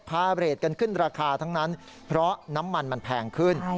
เรทกันขึ้นราคาทั้งนั้นเพราะน้ำมันมันแพงขึ้น